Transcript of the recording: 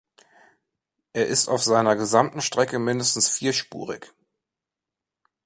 Er ist auf seiner gesamten Strecke mindestens vierspurig.